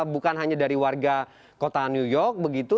bukan hanya dari warga kota new york begitu